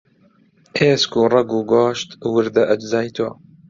ئێسک و ڕەگ و گۆشت، وردە ئەجزای تۆ